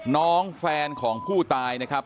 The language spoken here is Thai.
น้องแฟนของผู้ตายนะครับ